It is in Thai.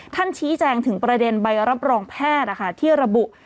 ชี้แจงถึงประเด็นใบรับรองแพทย์ที่ระบุ